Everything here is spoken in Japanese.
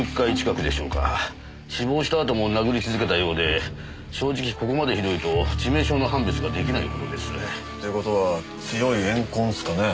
死亡したあとも殴り続けたようで正直ここまでひどいと致命傷の判別ができないほどです。という事は強い怨恨っすかね？